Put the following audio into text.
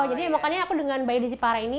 jadi makanya aku dengan bayi lizzy parra ini